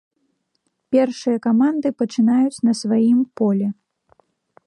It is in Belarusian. Першыя каманды пачынаюць на сваім полі.